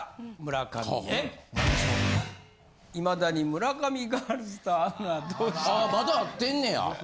まだ会ってんねや？